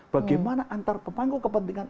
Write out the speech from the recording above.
bagaimana antar pemangku kepentingan